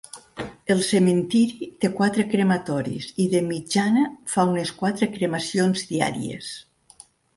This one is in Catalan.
El cementiri té quatre crematoris i, de mitjana, fa unes quatre cremacions diàries.